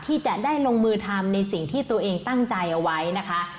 ที่จะได้ลงมือทำในสิ่งที่ตัวเองตั้งใจเอาไว้นะคะ